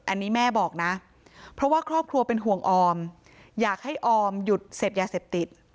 อันนี้แม่บอกนะเพราะว่าครอบครัวเป็นห่วงออมอยากให้ออมหยุดเสพยาเสพติด